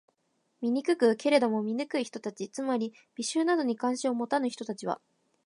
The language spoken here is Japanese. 醜く？けれども、鈍い人たち（つまり、美醜などに関心を持たぬ人たち）は、